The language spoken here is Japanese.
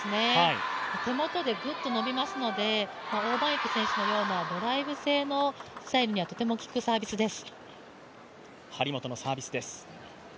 手元でグッと伸びますので、王曼イク選手のようなドライブ性のサービスにはとても効くサービスです。